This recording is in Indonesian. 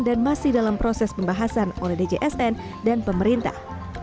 dan masih dalam proses pembahasan oleh djsn dan pemerintah